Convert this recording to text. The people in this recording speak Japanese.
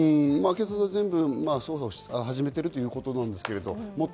警察は捜査を始めているということなんですけれども。